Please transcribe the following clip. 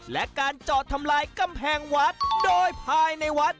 และการจอดทำลายกำแพงวัดโดยภายในวัด